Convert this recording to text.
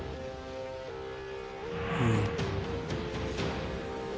うん。